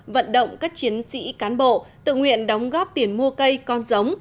vận động các chiến sĩ cán bộ tự nguyện đóng góp tiền mua cây con giống